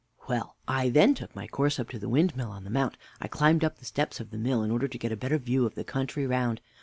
W. Well I then took my course up to the windmill on the mount. I climbed up the steps of the mill in order to get a better view of the country round.